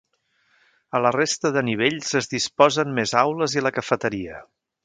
A la resta de nivells es disposen més aules i la cafeteria.